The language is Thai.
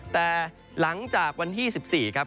แต่หลังจากวันที่๑๔ครับ